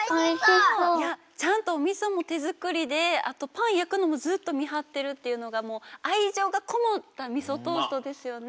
いやちゃんとみそもてづくりであとパンやくのもずっとみはってるっていうのがもうあいじょうがこもったみそトーストですよね。